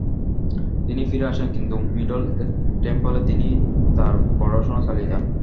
তিনি ফিরে আসেন কিন্তু মিডল টেম্পলে তিনি তার পড়াশোনা চালিয়ে যান।